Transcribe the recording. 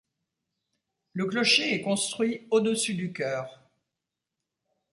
Le clocher est construit au-dessus du chœur.